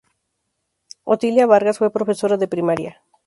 Otilia Vargas fue profesora de primaria.